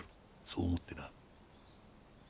そう思ってな。